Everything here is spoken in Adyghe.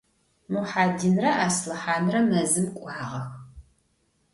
Muhedinre Aslhanre mezım k'uağex.